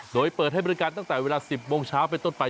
โดยเปิดให้บริการตั้งแต่เวลา๑๐โมงเช้าไปต้นไป